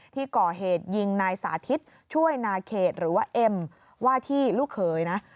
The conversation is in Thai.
ที่ก่อเหตุยิงนายสาธิตช่วยนาเขตหรือว่าเอ็มว่าที่ลูกเขยนะ